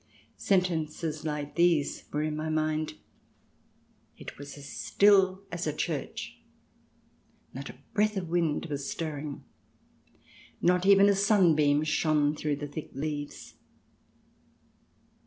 Sentences like these were in my mind :" It was as still as a church. ... Not a breath of wind was stirring ... not even a sun beam shone through the thick leaves.